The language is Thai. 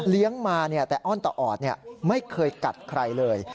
เลี้ยงมาเนี่ยแต่อ้อนต่ออดเนี่ยไม่เคยกัดใครเลย